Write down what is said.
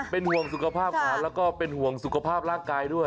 เป็นห่วงสุขภาพหลานแล้วก็เป็นห่วงสุขภาพร่างกายด้วย